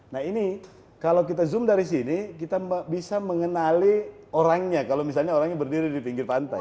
nah ini kalau kita zoom dari sini kita bisa mengenali orangnya kalau misalnya orangnya berdiri di pinggir pantai